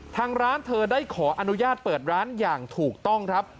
ทางร้านเธอได้ขออนุญาตเปิดร้านอย่างถูกต้องครับ